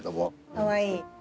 かわいい。